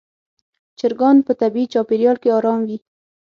چرګان په طبیعي چاپېریال کې آرام وي.